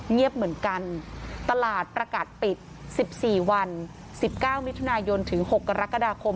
เงียบเหมือนกันตลาดประกาศปิด๑๔วัน๑๙มิถุนายนถึง๖กรกฎาคม